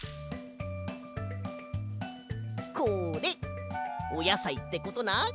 これおやさいってことな。